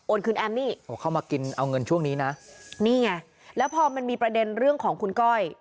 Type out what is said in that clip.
คืนแอมนี่โอ้เข้ามากินเอาเงินช่วงนี้นะนี่ไงแล้วพอมันมีประเด็นเรื่องของคุณก้อย